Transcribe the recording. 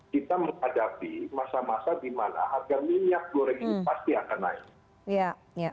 kita menghadapi masa masa di mana harga minyak goreng ini pasti akan naik